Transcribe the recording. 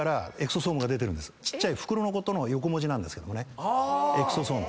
ちっちゃい袋のことの横文字なんですけどもねエクソソーム。